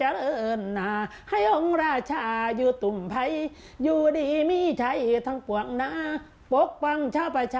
หนาให้ห้องราชาอยู่ตุมเผยอยู่ดีมิใช่เท่ารงจงปลวกหนาน้าปวกบังชาวประชา